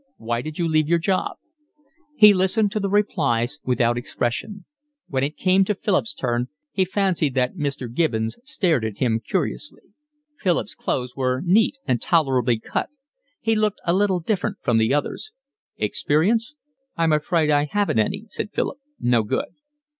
Why did you leave your job?" He listened to the replies without expression. When it came to Philip's turn he fancied that Mr. Gibbons stared at him curiously. Philip's clothes were neat and tolerably cut. He looked a little different from the others. "Experience?" "I'm afraid I haven't any," said Philip. "No good."